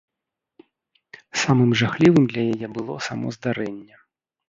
Самым жахлівым для яе было само здарэнне.